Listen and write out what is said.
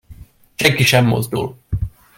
Senki sem mozdul!